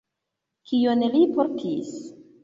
Kion li portis?